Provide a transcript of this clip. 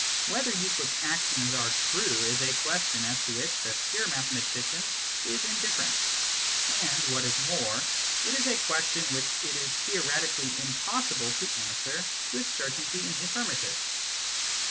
Whether Euclid s axioms are true, is a question as to which the the pure mathematician is indifferent ; and, what is more, it is a question which it is theoretically impossible to answer with certainty in the affirmative.